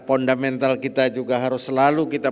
fundamental kita juga harus selalu kita